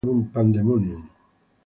Su segundo y último álbum, "Pandemonium!